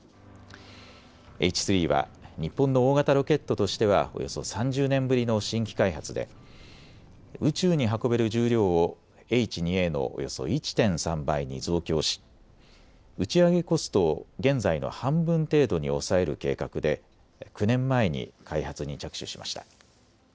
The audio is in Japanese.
Ｈ３は日本の大型ロケットとしてはおよそ３０年ぶりの新規開発で宇宙に運べる重量をＨ２Ａのおよそ１．３倍に増強し打ち上げコストを現在の半分程度に抑える計画で９年前に開発に着手しました。